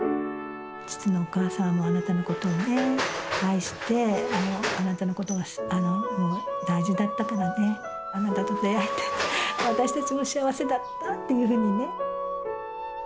実のお母さんも、あなたのことを愛して、あなたのことが大事だったからね、あなたと出会えて、私たちも幸せだったっていうふうにね。